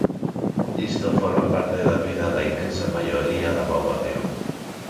Isto forma parte da vida da inmensa maioría da poboación.